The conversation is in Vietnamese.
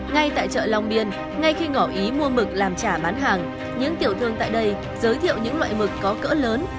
ngay tại chợ long biên ngay khi ngỏ ý mua mực làm trả bán hàng những tiểu thương tại đây giới thiệu những loại mực có cỡ lớn